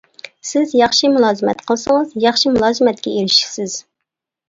سىز ياخشى مۇلازىمەت قىلسىڭىز، ياخشى مۇلازىمەتكە ئېرىشىسىز!